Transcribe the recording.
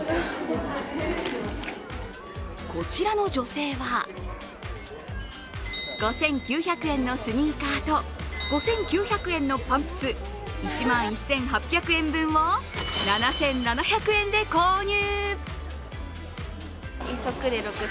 こちらの女性は、５９００円のスニーカーと５９００円のパンプス、１万１８００円分を７７００円で購入。